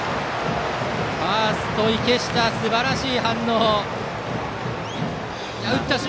ファースト池下、すばらしい反応。